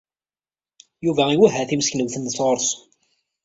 Yuba iwehha timseknewt-nnes ɣur-s.